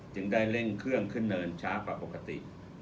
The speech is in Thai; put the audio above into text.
จึงได้เร่งเครื่องขึ้นเนินช้ากว่าปกติ